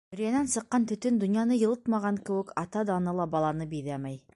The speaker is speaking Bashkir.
Мөрйәнән сыҡҡан төтөн донъяны йылытмаған кеүек, ата даны ла баланы биҙәмәй.